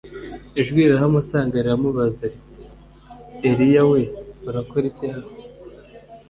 Ijwi rirahamusanga riramubaza riti “Eliya we, urakora iki aho?”